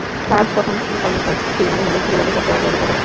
তার প্রথম কর্মস্থল ছিল নারায়ণগঞ্জের জেলা প্রশাসকের কার্যালয়।